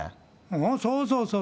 そうそうそう。